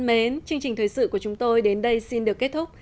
thân mến chương trình thời sự của chúng tôi đến đây xin được kết thúc